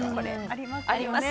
あります。